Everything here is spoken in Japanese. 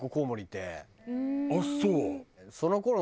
あっそう。